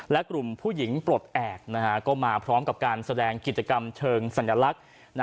และกลุ่มผู้หญิงปลดแอบก็มาพร้อมกับการแสดงกิจกรรมเชิงสัญลักษณ์